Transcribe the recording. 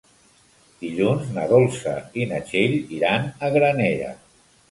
Dilluns na Dolça i na Txell iran a Granera.